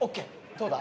どうだ？